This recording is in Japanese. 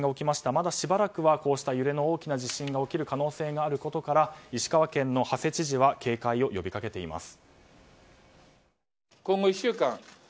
まだしばらくはこうした揺れの大きな地震が起こる可能性があることから石川県の馳知事は警戒を呼びかけています。